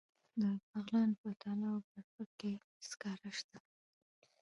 د بغلان په تاله او برفک کې سکاره شته.